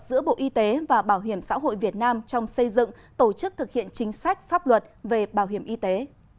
giữa bộ y tế và bảo hiểm xã hội việt nam trong xây dựng tổ chức thực hiện chính sách pháp luật về bảo hiểm y tế